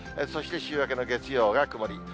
そして週明けの月曜が曇り。